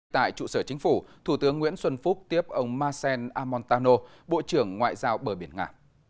tại trụ sở chính phủ thủ tướng nguyễn xuân phúc tiếp ông masen amontano bộ trưởng ngoại giao bờ biển nga